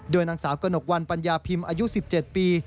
โดยหนังสาวกนกวัลปัญญาพิมพ์อายุ๑๗ปี